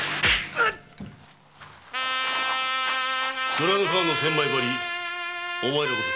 「面の皮の千枚張り」お前らのごとき